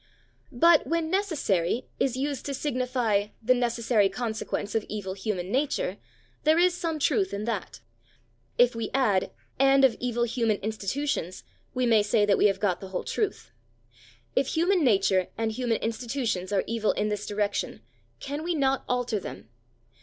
But when "necessary" is used to signify the "necessary consequence of evil human nature," there is some truth in that; if we add, "and of evil human institutions," we may say that we have got the whole truth. If human nature and human institutions are evil in this direction, can we not alter them?